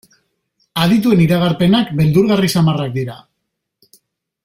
Adituen iragarpenak beldurgarri samarrak dira.